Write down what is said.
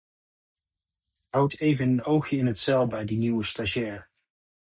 Houd even een oogje in het zeil bij die nieuwe stagiair.